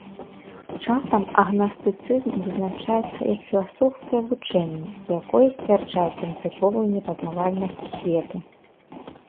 Часам агнастыцызм вызначаецца як філасофскае вучэнне, якое сцвярджае прынцыповую непазнавальнасць свету.